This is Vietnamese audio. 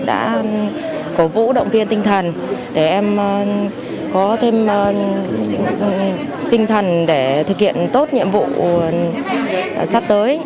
đã cổ vũ động viên tinh thần để em có thêm tinh thần để thực hiện tốt nhiệm vụ sắp tới